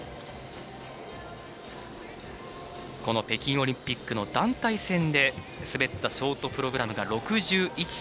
この北京オリンピックの団体戦で滑ったショートプログラムが６１．０５。